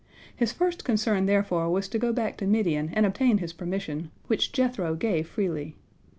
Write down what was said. His first concern therefore was to go back to Midian and obtain his permission, which Jethro gave freely.